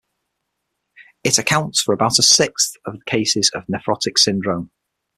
It accounts for about a sixth of the cases of nephrotic syndrome.